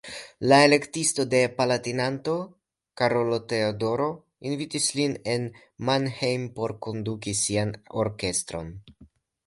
La Elektisto de Palatinato Karolo Teodoro invitis lin en Mannheim por konduki sian orkestron.